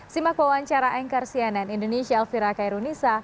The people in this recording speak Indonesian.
simak wawancara anchor cnn indonesia elvira kairunisa